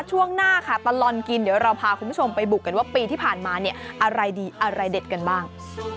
ช่วงหน้าค่ะตลอดกินเดี๋ยวเราพาคุณผู้ชมไปบุกกันว่าปีที่ผ่านมาเนี่ยอะไรดีอะไรเด็ดกันบ้าง